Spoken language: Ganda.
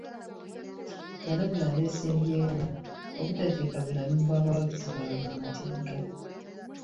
Yalabula abeesimbyewo obutateeka bulamu bwa bawagizi bwabwe mu matigga.